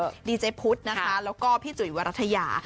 สำหรับดีเจ๊พุทธนะคะแล้วก็พี่จุ๋ยวรัฐยา